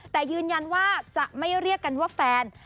แต่ยืนยันว่าจะไม่เรียกกันว่าแฟน